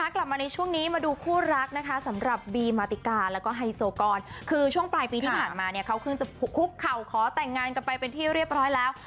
กลับมาในช่วงนี้มาดูคู่รักนะคะสำหรับบีมาติกาแล้วก็ไฮโซกรคือช่วงปลายปีที่ผ่านมาเนี่ยเขาเพิ่งจะคุกเข่าขอแต่งงานกันไปเป็นที่เรียบร้อยแล้ว